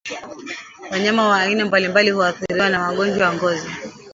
Wanyama wa aina mbalimbali huathiriwa na magonjwa ya ngozi